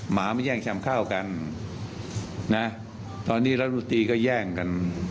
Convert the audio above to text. หมามาแย่งชำข้าวกันนะตอนนี้รัฐมนตรีก็แย่งกัน